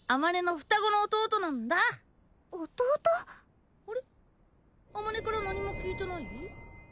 普から何も聞いてない？